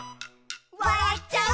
「わらっちゃう」